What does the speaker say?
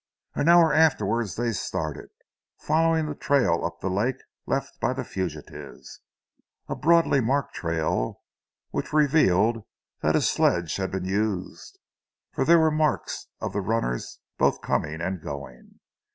An hour afterwards they started, following the trail up the lake left by the fugitives, a broadly marked trail, which revealed that a sledge had been used, for there were the marks of the runners both coming and going.